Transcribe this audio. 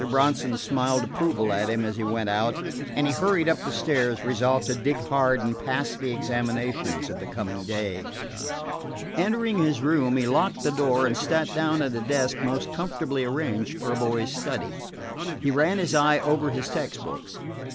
Bronson smiled approval at him as he went out, and he hurried up the stairs, resolved to dig hard and pass the examinations of the coming day. Entering his room, he locked the door and sat down at a desk most comfortably arranged for a boy's study. He ran his eye over his text books.